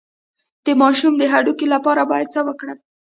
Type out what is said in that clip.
د ماشوم د هډوکو لپاره باید څه وکړم؟